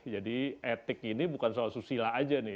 jadi etik ini bukan soal susila aja nih